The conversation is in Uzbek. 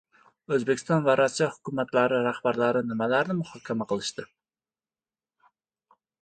O‘zbekiston va Rossiya hukumatlari rahbarlari nimalarni muhokama qilishdi?